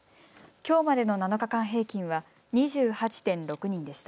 きょうまでの７日間平均は２８．６人でした。